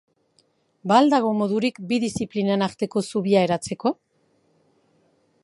Ba al dago modurik bi diziplinen arteko zubia eratzeko?